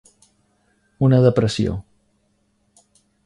Una depressió.